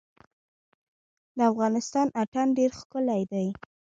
د افغانستان اتن ډیر ښکلی دی